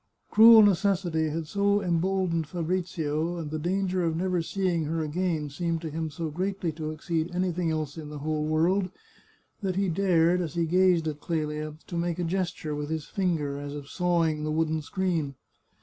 Cruel necessity had so emboldened Fabrizio, and the danger of never seeing her again seemed to him so greatly to ex ceed anything else in the whole world, that he dared, as he gazed at Clelia, to make a gesture with his finger as of sawing the wooden screen.